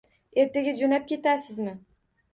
Ertaga jo'nab ketasizmi?